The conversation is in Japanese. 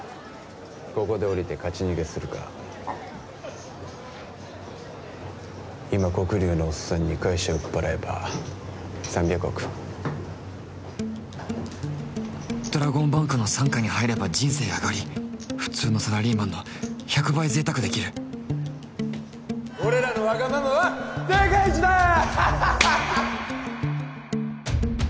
ここでおりて勝ち逃げするか今黒龍のおっさんに会社売っぱらえば３００億ドラゴンバンクの傘下に入れば人生あがり普通のサラリーマンの１００倍贅沢できる俺らのワガママは世界一だ！ハハハ